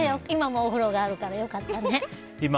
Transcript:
今もお風呂があるから良かったね！